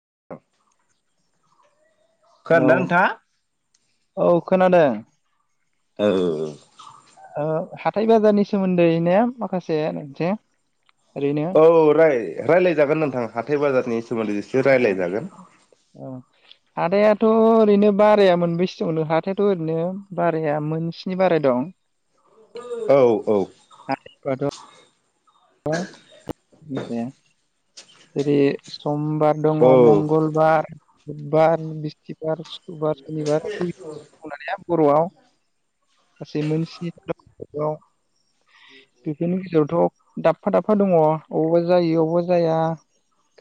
[inaudible] खोनादों हेलौ दा नोंथाङा? औ खोनादों। औ। ओ हाथाय बाजारनि सोमोन्दै नो माखासे मोनसे ओरैनो औ राय रायलाय जागोन नोंथां हाथाय बाजारनि सोमोन्दै एसे ओ रायलायजागोन। ओ हाथायाथ' ओरैनो बाराया मोनबैसे दङनो हाथायाथ' ओरैनो बाराया मोनसेनि बाराय दं। औ औ। हाथायफ्राथ' [unintelligible] जेरै सम बार दङ' औ मंगलबार बुधबार, बिस्थिबार, सु ख्रुबार, सनिबार [unintelligible] बर'आव गासै मोन स्नि [unintelligible] आव बेफोरनि गेजेरावथ' दाबफा दाबफा दङ' अबावबा जायो अबावबा जाया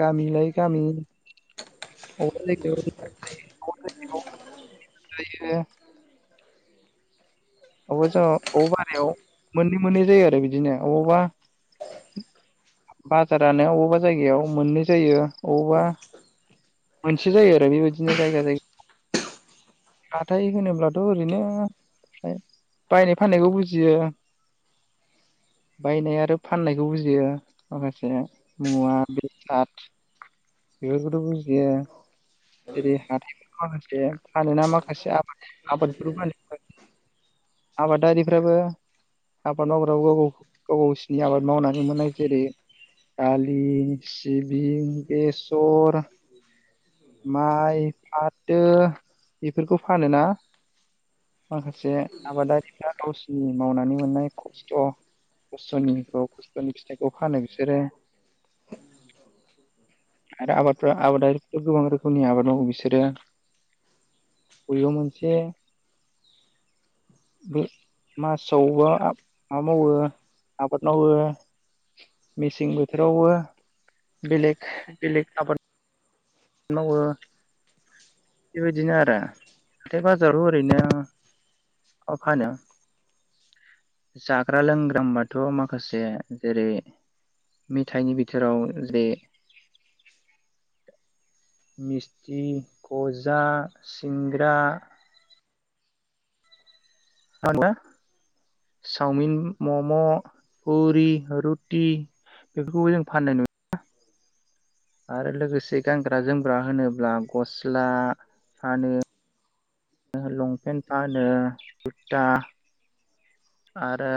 गामिलाय गामि अबेबा जायगायाव [unintelligible] [inaudible] बियो अबावबा समाव अबावबा बारायाव मोननै मोननै जायो आरो बिदिनो अबावबा बाजारानो अबावबा जायगायाव मोननै जायो अबावबा मोनसे जायो आरो बेबायदिनो जायगा जाय हाथाय होनोब्लाथ' ओरैनो बायनाय फाननायखौ बुजियो बायनाय आरो फाननायखौ बुजियो माखासे मुवा बेसाद बेफोरखौथ' बुजियो। जेरै हाथायफोर माखासे फानोना माखासे आबाद आबादफोर फालिबाय आबादारिफ्राबो आबाद मावग्रो गाव गाव गावसिनि आबाद मावनानै मोननाय जेरै दालि, सिबिं, बेसर माइ, फाथो बेफोरखौ फानोना माखासे आबादारिफ्रा गावसिनि मावनानै मोननाय खस्थ' खस्थ'निखौ खस्थ'नि फिथाइखौ फानो बिसोरो आरो आबादफोरा आबादारि गोबां रोखोमनि आबाद मावो बिसोरो बबेबा मोनसे मासावबो माबा मावो आबाद मावो। मेसें बोथोरावबो बेलेक, बेलक आबाद मावो बेबायदिनो आरो हाथाय बाजाराव ओरैनो फानो जाग्रा लोंग्रा होनबाथ' माखासे जेरै मेथाइनि बिथोराव जे मिस्थि, गजा, सिंग्रा [unintelligible] चावमिन, म'म', पुरि, रुटि बेफोरखौबो जों फाननाय नुयो ना? आरो लोगोसे गानग्रा जोमग्रा होनोब्ला गस्ला फानो लंपेन्ट फानो, कुरता आरो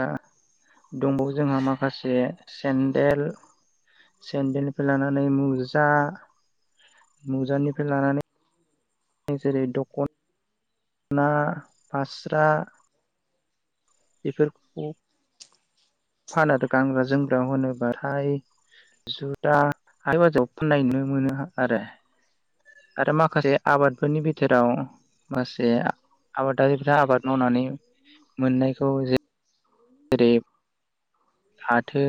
दंबावो जोंहा माखासे सेन्देल सेन्देलनिफ्राय लानानै मुजा मुजानिफ्राय लानानै जेरै दखन ना फास्रा बेफोरखौ फानो गानग्रा जोमग्रा होनोबाथाय जुदा हाथाय बाजाराव फाननाय नुनो मोनो आरो। आरो माखासे आबादफोरनि बिथोराव माखासे आबादारिफ्रा आबाद मावनानै मोननायखौ जे जेरै फाथो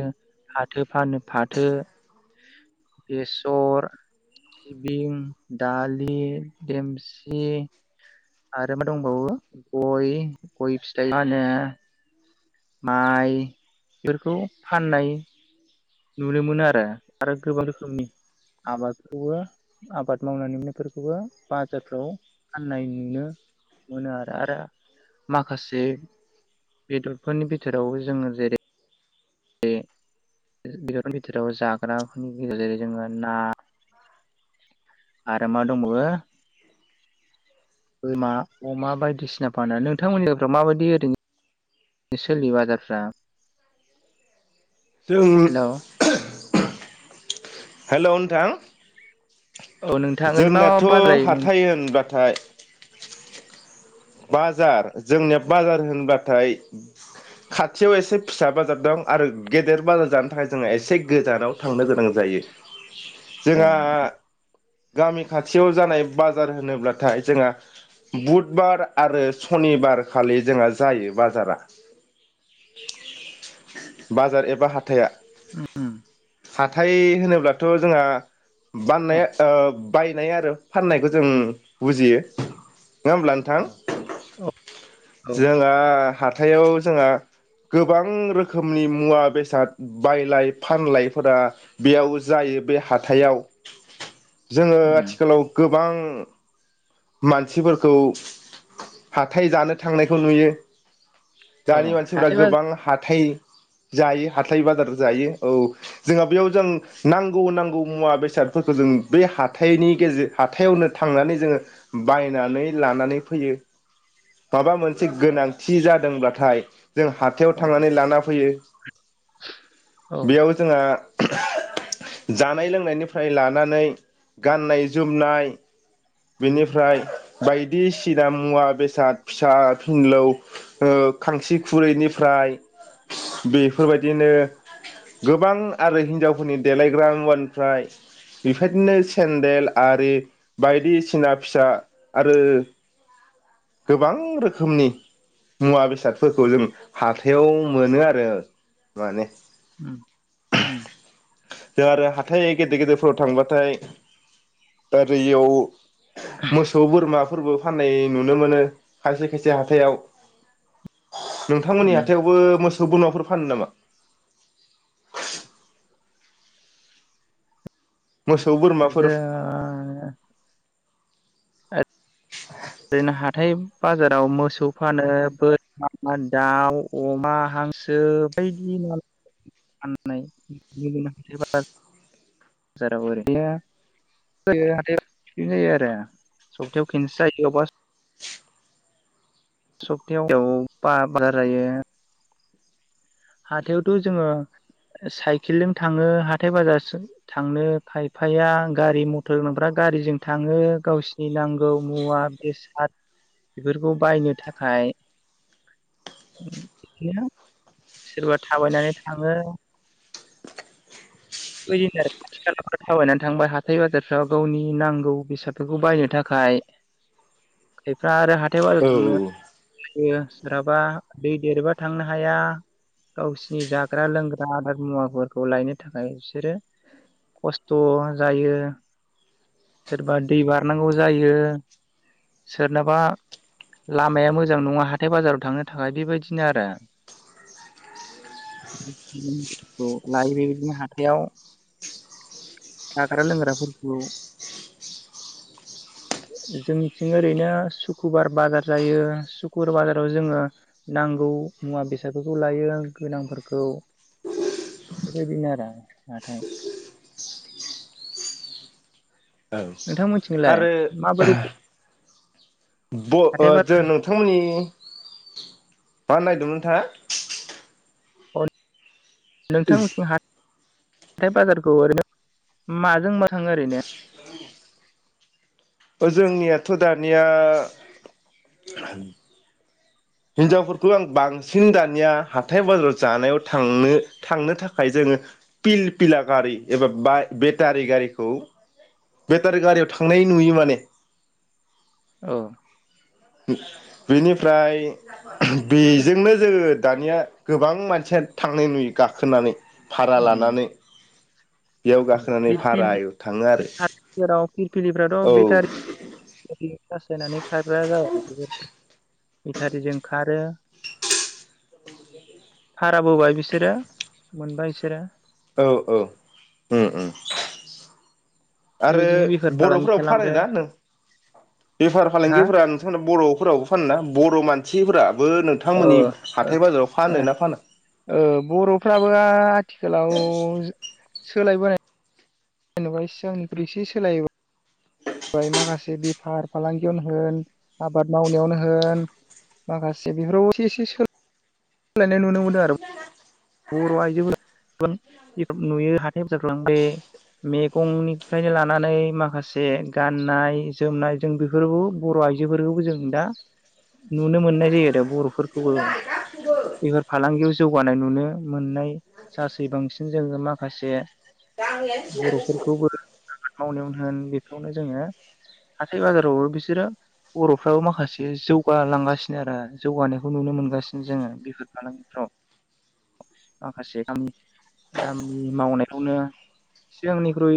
फाथो फानो फाथो, बेसर, सिबिं, दालि, देमसि आरो मा दंबावो गय गय फिथाइ फानो, माइ बेफोरखौ फाननाय नुनो मोनो आरो। आरो गोबां रोखोमनि आबादखौबो आबाद मावना मोननायफोरखौबो बाजारफ्राव फाननाय नुनो मोनो आरो। आरो माखासे बेदरफोरनि बिथोराव जोङो जेरै ओय बेदरफोरनि बिथोराव जाग्राफोरनि गेजेराव जोङो ना आरो मा दंबावो? बोरमा अमा बायदिसिना फानो। नोंथांमोननिफ्राव माबायदि ओरैनो सोलियो बाजारफ्रा जों हेल' हेल' नोंथां औ नोंथां ओरैनो मा मा जोंनाथ' बाजार जायो नों हाथाय होनबाथाय बाजार जोंनिया बाजार होनबाथाय खाथियाव एसे फिसा बाजार दं। आरो गेदेर बाजार जानो थाखाय जोंहा एसे गोजानाव थांनो गोनां जायो। अ जोंहा गामि खाथियाव जानाय बाजार होनोब्लाथाय जोंहा बुधबार आरो सनिबारखालि जोंहा जायो बाजारा बाजार एबा हाथाया। उम हाथाय होनना बुङोब्लाथ' जोंहा अ बाननाया ओ बायनाय आरो फाननायखौ जों बुजियो। नङा होमब्ला नोंथां? औ औ औ जोंहा आ हाथायाव जोंहा गोबां रोखोमनि मुवा बेसाद बायलाय फानलायफोरा बेयाव जायो। बे हाथायाव जोङो उम आथिखालाव गोबां मानसिफोरखौ हाथाय जानो थांनायखौ नुयो। अ दानि मानसिफोरा हाथाय गोबां बाजार हाथाय जायो हाथाय बाजार जायो। औ जोंहा बेयाव जों नांगौ नांगौ मुवा बेसादफोरखौ जों बे हाथाइनि गेजेर हाथायावनो थांनानै जोङो बायनानै लानानै फैयो। माबा मोनसे गोनांथि जाद दोंब्लाथाय जों हाथायाव औ थांनानै लाना फैयो। औ बेयाव जोंहा जानाय लोंनायनिफ्राय लानानै गाननाय जोमनाय बेनिफ्राय बायदिसिना मुवा बेसाद फिसा फिनलौ ओ खांसि खुरैनिफ्राय बेफोरबायदिनो गोबां आरो हिनजावफोरनि देलायग्रा मुवानिफ्राय बेफायदिनो सेन्देल आरि बायदिसिना फिसा आरो गोबां रोखोमनि मुवा बेसादफोरखौ जों हाथायाव मोनो आरो माने । उम उम जों आरो हाथाय गेदेर गेदेरफोराव थांबाथाय ओरैयाव मोसौ बोरमा फोरबो फान्नाय नुनो मोनो खायसे खायसे हाथायाव । नोंथांमोननि उम हाथायावबो मोस सौ बोरमाफोर फानो नामा? मोसौ बोरमाफोर जा ओरैनो हाथाय बाजाराव मोसौ फानो बोरमा दाउ अमा हांसो बायदि माल [inaudible] फाननाय [inaudible] ओरैनो [inaudible] जायो आरो सप्थायायाव खनसे जायो। बेयाव बास सपतायाव याव बा बारायो हाथायावथ' जोंङो साइकेलजों थांङो हाथाय बाजार थांनो खायफाया गारि मथर गोनांफ्रा गारिजों थांङो गावसिनि नांगौ मुवा बेसाद बेफोरखौ बायनो थाखाय बिदिनो सोरबा थाबायनानै थांङो। इफोरबायदिनो आरो खाथि खालाफोरा थाबायनानै थांबाय हाथाय बाजारफ्राव गावनि नांगौ बेसादफोरखौ बायनो थाखाय खायफा आरो हा थाय बाजार औ थांनो फियो सोरहाबा दै देरबा थांनो हाया गावसिनि जाग्रा लोंग्रा आदार मुवाफोरखौ लायनो थाखाय । बिसोरो खस्थ' जायो सोरबा दै बारनांगौ जायो। सोरनाबा लामाया मोजां नङा हाथाय बाजाराव थांनो थाखाय बेबायदिनो आरो [inaudible] लायो बेबायदिनो हाथायाव जाग्रा लोंग्राफोरखौ जोंनि थिं ओरैनो सुक्रुबार बाजार जायो सुक्रुबार बाजाराव जोंङो नांगौ मुवा बेसादफोरखौ लायो गोनांफोरखौ बेबायदिनो आरो नाथाय औ नोंथांमोननिथिंलाय आरो माबोरै अ हाथाय बाजार जो नोंथांमोननि मा होननायदोंमोन नोंथांङा? [unintelligible] नोंथांमोनिथिं हा थाय बाजारखौ ओरैनो माजों मा थांङो ओरैनो जोंनियाथ' दानिया हिनजावफोरखौ आं बांसिन दानिया हाथाय बाजार जानायाव थांनो थांनो थाखाय जोंङो पिल पिला गारि एबा बा बेटारि गारिखौ बेटारि गारियाव थांनाय नुयो माने । ओ बेनिफ्राय बेजोंनो जोंङो दानिया गोबां मानसिया थांनाय नुयो गाखोनानै । भारा लानानै बेयाव ओम गाखोनानै पिल पिलि भारायाव थाङो आरो बेटारिफोराव औ पिलपिलिफ्राथ' बेटारि सार्च होनानै खाग्रा जाबाय [unintelligible] बेथारिजों खारो भाराबोबाय बिसोरो मोनबाय बिसोरो औ औ ओम ओम आरो बेबायदिनो बेफार फालांगि बर'फोराबो खालामबाय फानोना नों बेफार हा फालांगिफोरा नोंथांमोना बर' फोरावबो फानोना बर' मानसिफोरा ओ आ आ ना फाना? औ बर'फ्राबो आथिखालाव सोलायबोनाय! जेनेबा सिगांनिख्रइ एसे सोलायोब। जाय माखासे बेफार फालांगियावनो होन आबाद मावनायावनो होन माखासे बेफोराव एसे एसे सोल सोलायनाय नुनो मोनो आरो बर' आइजो नुयो हाथाय जाखां बे मेगंनिफ्रायनो लानानै माखासे गाननाय जोमनाय जों बेफोरखौ बर' आइजोफोरखौबो जों दा नुनो मोननाय जायो। आरो बर'फोरखौबो बेफोरार फालांगियाव जौगानाय नुनो मोननाय सासै बांसिन जोङो माखासे [unintelligible] आबाद मावनायावनो होन बेफोरावनो जोङो हाथाय बाजारावबो बिसोरो बर'फ्राबो माखासे जौगालांगासिनो आरो जौगानायखौ नुनो मोनगासिनो जोङो बेफोर फालांगिफ्राव। माखासेमि दामनि मावनायावनो सि सिगांनिख्रुइ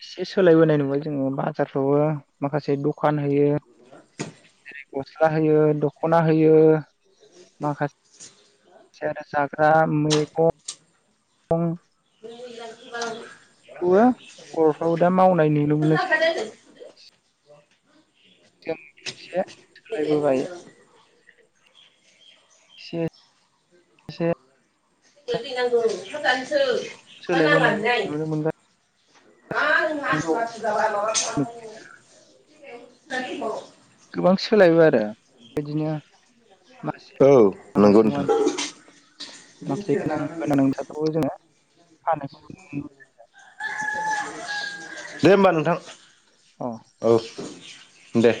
एसे सोलायबोनाय नुबाय जोङो बाजारफ्रावबो माखासे दखान होयो जेरै गस्ला होयो दख'ना होयो माखासे- जि आनोञ जाग्रा मैगं [unintelligible] [unintelligible] बर'फ्राबो दा मावनाय नुनो मोनोसै आरो जों एसे सोलायबोबाय। एसे एसे [unintelligible] सोलायबोनाय नुनो मोनगोन। [unintelligible] [unintelligible] [unintelligible] गोबां सोलायबाय आरो बिदिनो मासे औ नंगौ माखासे मुवा नोंथां। माखासे गोनां गोनां [unintelligible] दे होमबा नोंथां। औ। दे।